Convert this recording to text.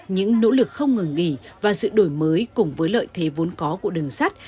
những nỗ lực không ngừng nghỉ và sự đổi mới cùng với lợi thế vốn có của đường sắt